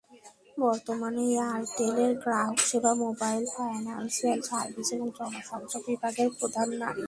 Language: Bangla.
বর্তমানে এয়ারটেলের গ্রাহকসেবা, মোবাইল ফাইন্যান্সিয়াল সার্ভিস এবং জনসংযোগ বিভাগের প্রধান নারী।